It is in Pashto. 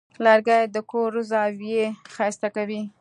لرګی د کور زاویې ښایسته کوي.